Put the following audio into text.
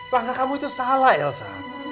langkah kamu itu salah elsa